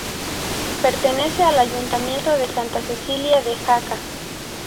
Pertenece al ayuntamiento de Santa Cilia de Jaca.